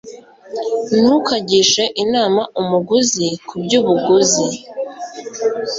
ntukagishe inama umuguzi ku by'ubuguzi